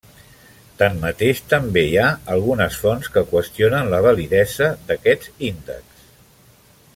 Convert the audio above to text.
Tanmateix, també hi ha algunes fonts que qüestionen la validesa d'aquests índexs.